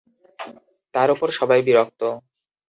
তার উপর সবাই বিরক্ত।